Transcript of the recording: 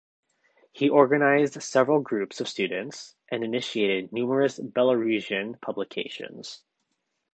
He organized several groups of students and initiated numerous Belarusian publications.